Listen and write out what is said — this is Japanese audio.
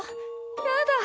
やだ。